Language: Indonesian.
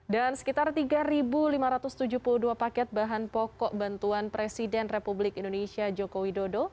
dan sekitar tiga lima ratus tujuh puluh dua paket bahan pokok bantuan presiden republik indonesia joko widodo